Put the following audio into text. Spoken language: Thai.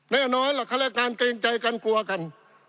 แน่นอนแล้วคาแรกการเกรงใจกันกลัวกัน